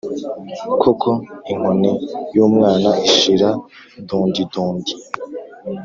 Koko inkoni y'umwana ishira dondidondi